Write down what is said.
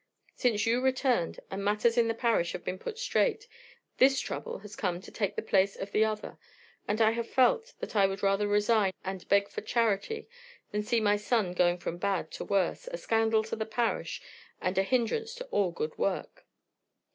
Since you returned, and matters in the parish have been put straight, this trouble has come in to take the place of the other, and I have felt that I would rather resign and beg for charity than see my son going from bad to worse, a scandal to the parish, and a hindrance to all good work."